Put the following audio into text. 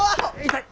痛い！